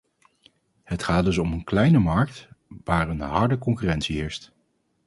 Het gaat dus om een kleine markt waar een harde concurrentie heerst.